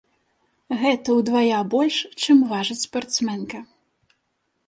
Гэта ўдвая больш, чым важыць спартсменка.